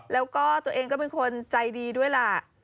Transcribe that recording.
แล้วก็ตัวเองก็เป็นคนใจดีด้วยล่ะ